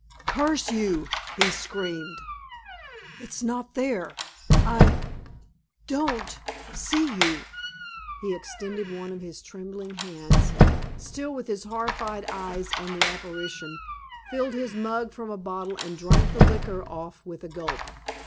"Curse you!" he screamed. "It's not there. I don't see you!" He extended one of his trembling hands, still with his horrified eyes on the apparition, filled his mug from a bottle and drank the liquor off with a gulp.